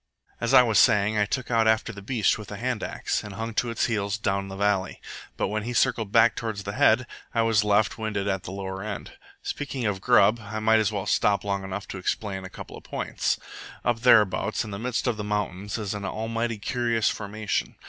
"As I was saying, I took out after the beast with the hand axe, and hung to its heels down the valley; but when he circled back toward the head, I was left winded at the lower end. Speaking of grub, I might as well stop long enough to explain a couple of points. Up thereabouts, in the midst of the mountains, is an almighty curious formation.